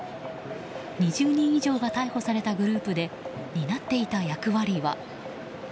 ２０人以上が逮捕されたグループで担っていた役割は。